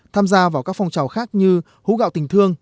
tham gia vào các phong trào khác như hú gạo tình thương